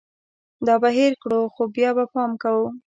دا به هېر کړو ، خو بیا به پام کوو